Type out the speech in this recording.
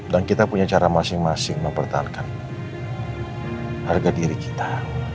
dan kita punya cara masing masing mempertahankan harga diri kita